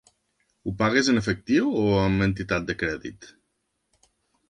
Ho pagues en efectiu o amb entitat de crèdit?